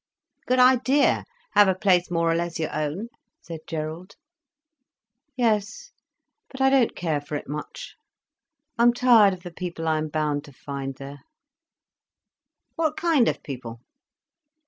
"Good idea—have a place more or less your own," said Gerald. "Yes. But I don't care for it much. I'm tired of the people I am bound to find there." "What kind of people?"